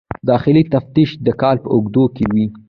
داخلي تفتیش د کال په اوږدو کې وي.